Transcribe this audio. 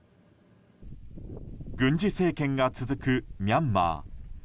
軍事政権が続くミャンマー。